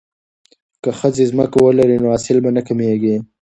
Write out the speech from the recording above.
که ښځې ځمکه ولري نو حاصل به نه کمیږي.